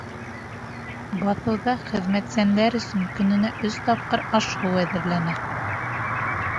Баҫыуҙа хеҙмәтсәндәр өсөн көнөнә өс тапҡыр аш-һыу әҙерләнә.